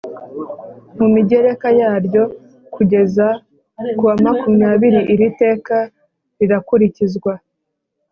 Mu migereka yaryo kugeza kuwa makumyabiri iri teka rirakurikizwa